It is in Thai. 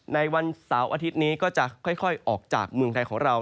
ในวันเสาร์อาทิตย์นี้ก็จะค่อยออกจากเมืองไทยของเรา